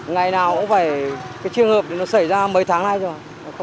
ngày nào cũng vậy cái trường hợp nó xảy ra mấy tháng nay rồi